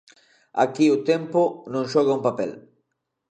Aquí o tempo non xoga un papel.